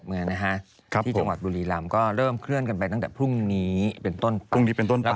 ที่จังหวัดบุรีรัมก็เริ่มเคลื่อนกันไปตั้งแต่ภูมินี้เป็นต้นปัก